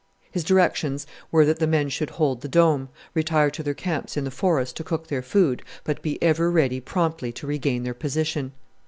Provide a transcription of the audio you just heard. His directions were that the men should hold the Dome, retire to their camps in the forest to cook their food, but be ever ready promptly to regain their position.